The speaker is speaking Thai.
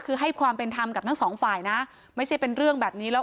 คือให้ความเป็นธรรมกับทั้งสองฝ่ายนะไม่ใช่เป็นเรื่องแบบนี้แล้ว